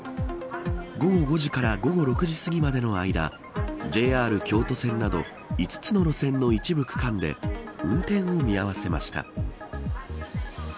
午後５時から午後６時すぎまでの間ＪＲ京都線など５つの路線の一部区間で運転を見合わせました。